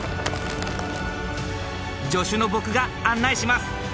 助手の僕が案内します。